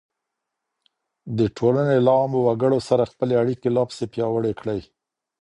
د ټولني له عامو وګړو سره خپلي اړيکې لا پسې پياوړې کړئ.